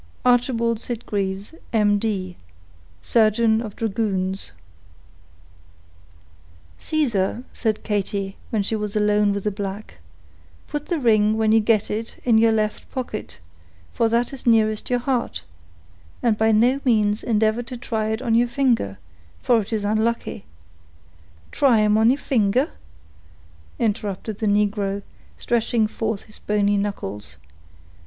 "ARCHIBALD SITGREAVES, M. D.", "Surgeon of Dragoons." "Caesar," said Katy, when she was alone with the black, "put the ring, when you get it, in your left pocket, for that is nearest your heart; and by no means endeavor to try it on your finger, for it is unlucky." "Try um on he finger?" interrupted the negro, stretching forth his bony knuckles.